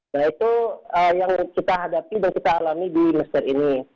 nah itu yang kita hadapi dan kita alami di mesir ini